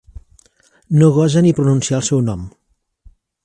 No gosa ni pronunciar el seu nom.